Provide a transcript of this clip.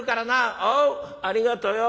「おうありがとよ。